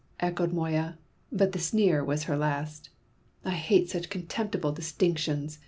echoed Moya, but the sneer was her last. "I hate such contemptible distinctions!"